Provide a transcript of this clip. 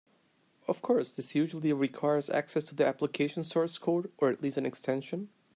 Of course, this usually requires access to the application source code (or at least an extension).